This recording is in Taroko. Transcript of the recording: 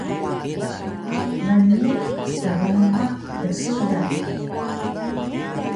Mniq truma dxgal